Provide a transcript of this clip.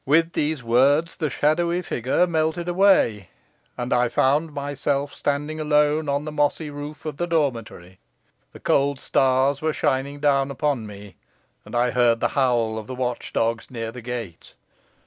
"With these words the shadowy figure melted away, and I found myself standing alone on the mossy roof of the dormitory. The cold stars were shining down upon me, and I heard the howl of the watch dogs near the gate.